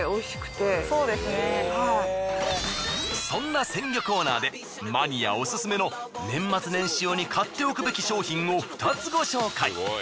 そんな鮮魚コーナーでマニアオススメの年末年始用に買っておくべき商品を２つご紹介！